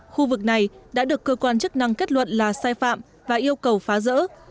khu vực này đã được cơ quan chức năng kết luận là sai phạm và yêu cầu phá rỡ